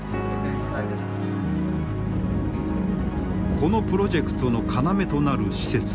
このプロジェクトの要となる施設。